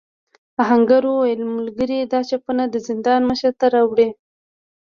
آهنګر وویل ملګري دا چپنه د زندان مشر ته راوړې.